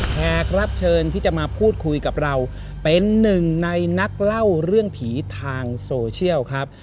แขกรับเชิญที่จะมาพูดคุยกับเราเป็นหนึ่งในนักเล่าเรื่องผีทางโซเชียลครับ